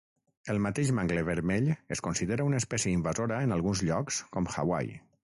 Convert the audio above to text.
El mateix mangle vermell es considera una espècie invasora en alguns llocs com Hawaii.